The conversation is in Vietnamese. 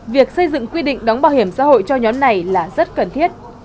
việc xây dựng quy định đóng bảo hiểm xã hội cho nhóm này là rất cần thiết